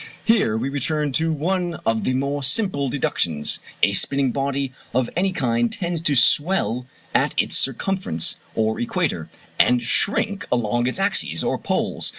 Here we return to one of the more simple deductions. A spinning body of any kind tends to swell at its circumference (or equator), and shrink along its axis (or poles).